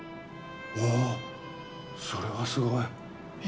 おそれはすごい。